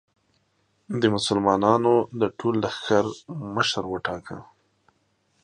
د مسلمانانو د ټول لښکر مشر وټاکه.